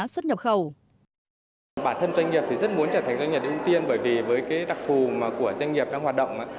bản thân doanh nghiệp thì rất muốn trở thành doanh nghiệp ưu tiên bởi vì với cái đặc thù của doanh nghiệp đang hoạt động